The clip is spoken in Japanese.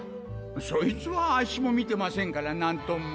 そいつはアッシも見てませんから何とも。